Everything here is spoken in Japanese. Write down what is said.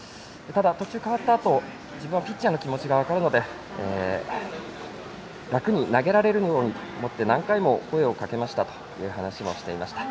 ただ途中、代わったあと自分はピッチャーの気持ちが分かるので楽に投げられるようにと思って何回も声をかけたという話もしていました。